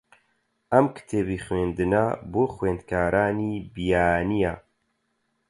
ئەم کتێبی خوێندنە بۆ خوێندکارانی بیانییە.